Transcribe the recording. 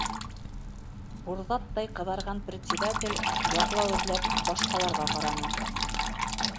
Бурҙаттай ҡыҙарған председатель, яҡлау эҙләп, башҡаларға ҡараны: